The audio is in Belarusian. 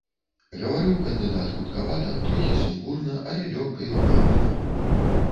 Гаварыў кандыдат хуткавата, трохі сумбурна, але лёгка і ўпэўнена.